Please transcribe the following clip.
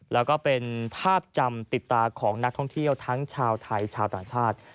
แล้วก็เป็นภาพจำติดตาของนักท่องเที่ยวทั้งชาวไทยชาวต่างชาติ